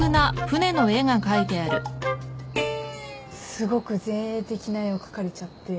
すごく前衛的な絵を描かれちゃって。